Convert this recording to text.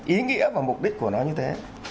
ý nghĩa và mục đích của nó như thế